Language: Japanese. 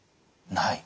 ない？